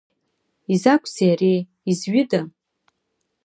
Изакәзеи ари, изҩыда?